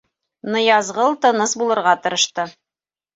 — Ныязғол тыныс булырға тырышты.